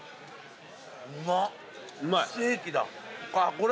これ？